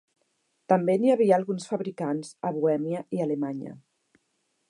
També n'hi havia alguns fabricants a Bohèmia i Alemanya.